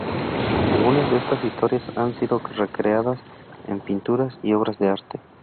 Algunas de estas historias han sido recreadas en pinturas y obras de arte.